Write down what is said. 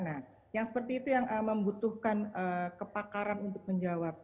nah yang seperti itu yang membutuhkan kepakaran untuk menjawab